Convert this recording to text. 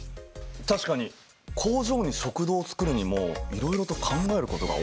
確かに工場に食堂を作るにもいろいろと考えることが多いな。